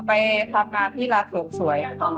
ไปทำงานที่ราชโถ่งสวย